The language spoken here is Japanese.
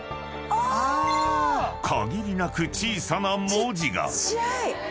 ［限りなく小さな文字が］